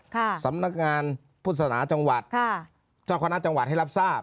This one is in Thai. สำนักงานพุทธศนาจังหวัดค่ะเจ้าคณะจังหวัดให้รับทราบ